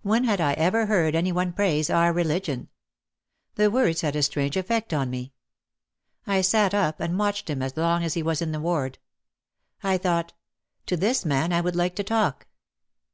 When had I ever heard any one praise our religion? The words had a strange effect on me. I sat up and watched him as long as he was in the ward. I thought, "to this man I would like to talk."